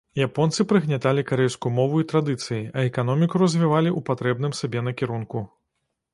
Японцы прыгняталі карэйскую мову і традыцыі, а эканоміку развівалі ў патрэбным сабе накірунку.